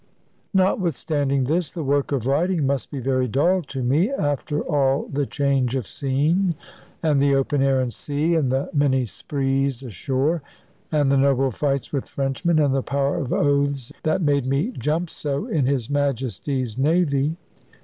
Notwithstanding this, the work of writing must be very dull to me, after all the change of scene, and the open air and sea, and the many sprees ashore, and the noble fights with Frenchmen, and the power of oaths that made me jump so in his Majesty's navy.